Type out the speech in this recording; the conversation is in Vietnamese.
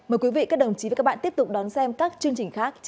mời quý vị các đồng chí và các bạn tiếp tục đón xem các chương trình khác trên antv